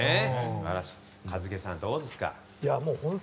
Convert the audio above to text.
一茂さん、どうですか？